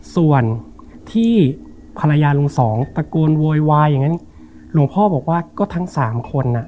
ส่วนที่ภรรยาลุงสองตะโกนโวยวายอย่างนั้นหลวงพ่อบอกว่าก็ทั้งสามคนอ่ะ